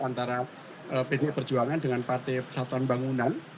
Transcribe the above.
antara pdi perjuangan dengan partai persatuan bangunan